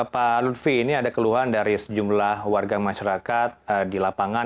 pak lutfi ini ada keluhan dari sejumlah warga masyarakat di lapangan